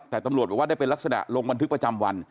แต่ตำรวจบอกว่าได้เป็นลักษณะลงบันทึกประจำวัน